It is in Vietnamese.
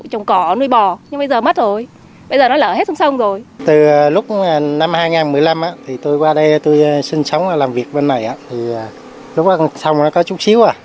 còn sông nó có chút xíu